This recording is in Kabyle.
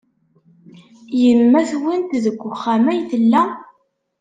Yemma-twent deg uxxam ay tella?